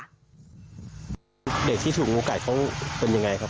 เด็กที่ถูกงูกัดเขาเป็นยังไงครับ